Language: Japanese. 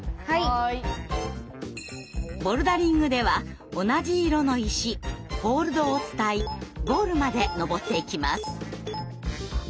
ボルダリングでは同じ色の石ホールドを伝いゴールまで登っていきます。